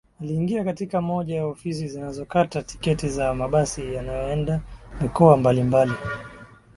Aliingia katika moja ya ofisi zinazokata tiketi za mabasi yanayoenda mikoa mbalimbali